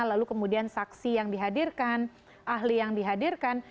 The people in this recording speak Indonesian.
lalu kemudian saksi yang dihadirkan ahli yang dihadirkan